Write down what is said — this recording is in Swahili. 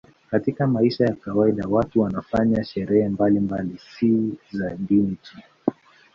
Katika maisha ya kawaida watu wanafanya sherehe mbalimbali, si za dini tu.